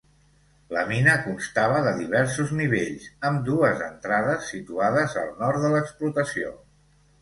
La mina constava de diversos nivells, amb dues entrades situades al nord de l'explotació.